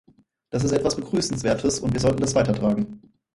Das ist etwas Begrüßenswertes, und wir sollten das weitertragen.